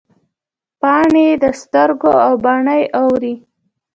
پاڼې د سترګو او باڼه یې اوري